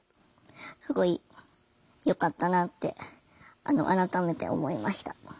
すごいよかったなって改めて思いました。